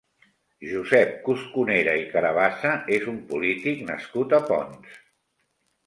Josep Cosconera i Carabassa és un polític nascut a Ponts.